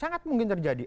sangat mungkin terjadi